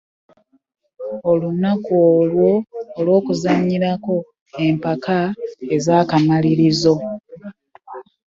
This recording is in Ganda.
Olunaku olwo olw'okuzannyirako empaka ez'akamalirizo